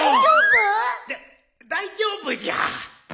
だっ大丈夫じゃ。